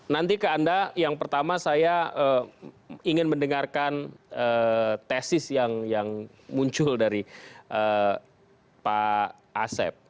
nanti ke anda yang pertama saya ingin mendengarkan tesis yang muncul dari pak asep